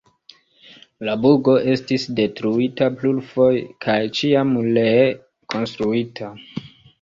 La burgo estis detruita plurfoje kaj ĉiam ree konstruita.